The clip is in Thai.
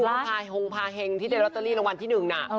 คุณพายฮงพาเฮงที่ได้ลอตเตอรี่รางวัลที่๑น่ะ